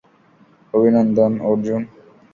অভিনন্দন, অর্জুন!